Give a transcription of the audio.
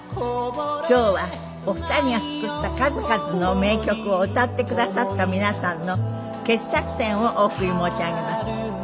今日はお二人が作った数々の名曲を歌ってくださった皆さんの傑作選をお送り申し上げます。